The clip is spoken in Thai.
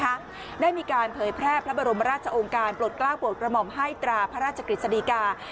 ได้มีการเผยแพร่พระบรมราชองค์การปลดกล้าวโปรดกระหม่อมให้ตราพระราชกฤษฎีกา